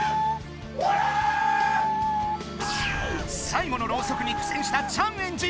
最後のろうそくにくせんしたチャンエンジ！